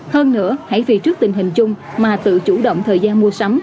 hơn nữa hãy vì trước tình hình chung mà tự chủ động thời gian mua sắm